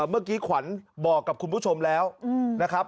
เมื่อกี้ขวัญบอกกับคุณผู้ชมแล้วนะครับ